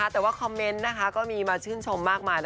แต่ว่าคอมเมนต์ก็มีมาชื่นชมมากมาย